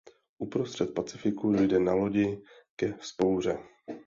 Uprostřed Pacifiku dojde na lodi ke vzpouře.